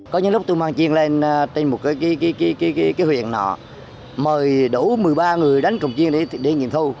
có những lúc tôi mang chiêng lên trên một cái huyện nọ mời đủ một mươi ba người đánh cồng chiêng để nhìn thâu